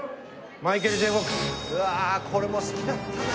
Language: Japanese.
うわこれも好きだったな。